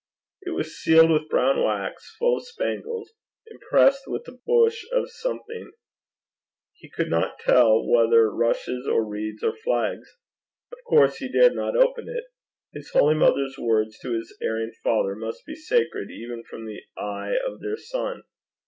It was sealed with brown wax, full of spangles, impressed with a bush of something he could not tell whether rushes or reeds or flags. Of course he dared not open it. His holy mother's words to his erring father must be sacred even from the eyes of their son.